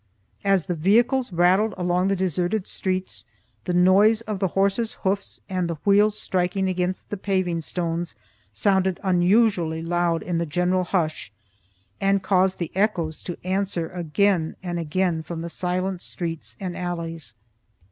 As the vehicles rattled along the deserted streets, the noise of the horses' hoofs and the wheels striking against the paving stones sounded unusually loud in the general hush, and caused the echoes to answer again and again from the silent streets and alleys.